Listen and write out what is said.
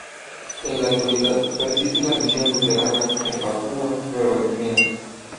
En la actualidad, persiste la misión luterana en Papúa Nueva Guinea.